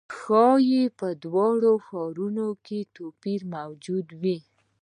ښايي په دواړو ښارونو کې توپیرونه موجود وي.